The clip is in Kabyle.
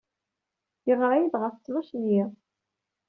Yeɣra-iyi-d ɣef ttnac n yiḍ.